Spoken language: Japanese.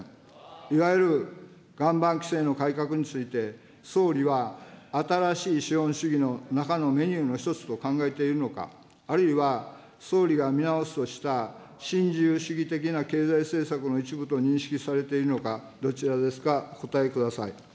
いわゆる岩盤規制の改革について、総理は新しい資本主義の中のメニューの一つと考えているのか、あるいは総理が見直すとした新自由主義的な経済政策の一部と認識されているのか、どちらですか、お答えください。